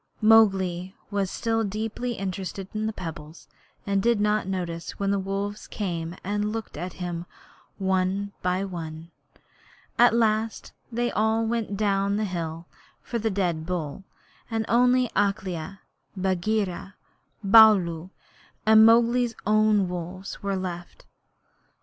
Mowgli was still deeply interested in the pebbles, and he did not notice when the wolves came and looked at him one by one. At last they all went down the hill for the dead bull, and only Akela, Bagheera, Baloo, and Mowgli's own wolves were left.